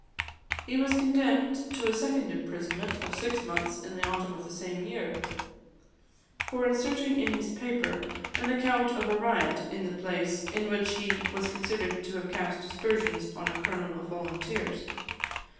He was condemned to a second imprisonment of six months in the autumn of the same year, for inserting in his paper an account of a riot in the place, in which he was considered to have cast aspersions on a colonel of volunteers.